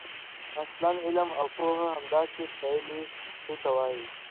اصلاً علم او پوهه همداسې پایلې ته وايي.